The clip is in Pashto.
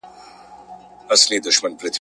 هر نفس هره لحظه دي طلا یې ده